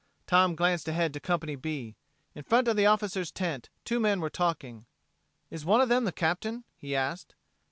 Tom glanced ahead to Company B. In front of the officer's tent two men were talking. "Is one of them the Captain?" he asked.